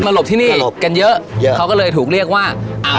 มาหลบที่นี่กันเยอะเขาก็เลยถูกเรียกว่าอ่าวสลัด